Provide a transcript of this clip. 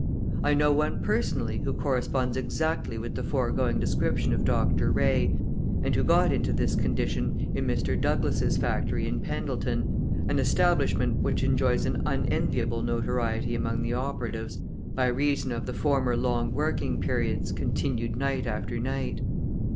I know one personally who corresponds exactly with the foregoing description of Dr. Ray, and who got into this condition in Mr. Douglas' factory in Pendleton, an establishment which enjoys an unenviable notoriety among the operatives by reason of the former long working periods continued night after night.